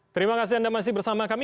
terima kasih anda masih bersama kami